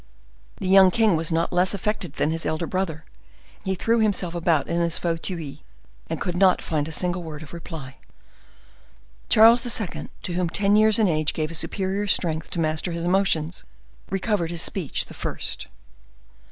The young king was not less affected than his elder brother; he threw himself about in his fauteuil, and could not find a single word of reply. Charles II., to whom ten years in age gave a superior strength to master his emotions, recovered his speech the first.